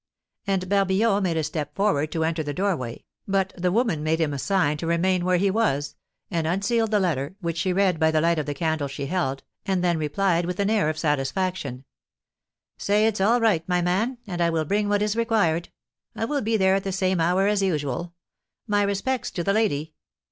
And Barbillon made a step forward to enter the doorway, but the woman made him a sign to remain where he was, and unsealed the letter, which she read by the light of the candle she held, and then replied with an air of satisfaction: "Say it's all right, my man, and I will bring what is required. I will be there at the same hour as usual. My respects to the lady."